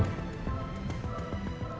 dua kali diabaikan